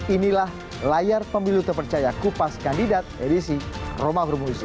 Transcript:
inilah layar pemilu terpercaya kupas kandidat edisi roma bermusi